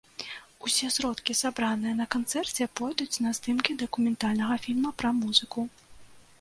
Усе сродкі сабраныя на канцэрце пойдуць на здымкі дакументальнага фільма пра музыку.